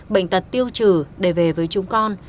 bệnh tật tiêu trừ để về với chúng con